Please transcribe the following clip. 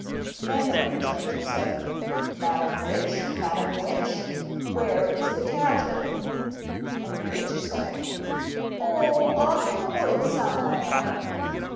Then the Range Ranger said, " Madam Witch ! Madam Witch! Where is the Tajer?" And the Witch said, " Oh, off in the woods somewhere